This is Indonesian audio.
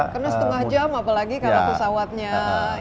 kena setengah jam apalagi karena pesawatnya ini